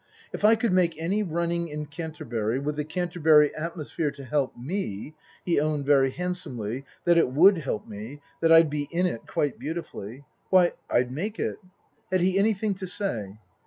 If I could make any running in Canterbury, with the Canterbury atmosphere to help me (he owned very handsomely that it would help me, that I'd be "in it " quite beautifully), why, I'd make it. Had he anything to say